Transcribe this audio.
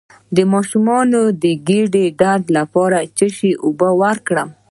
د ماشوم د ګیډې درد لپاره د څه شي اوبه ورکړم؟